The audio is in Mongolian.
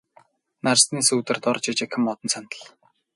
Нарсны сүүдэр дор жижигхэн модон сандал.